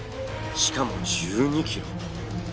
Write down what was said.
しかも１２ｋｍ。